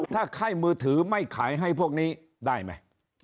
ถ้าค่ายมือถือไม่ขายให้พวกนี้ได้ไหม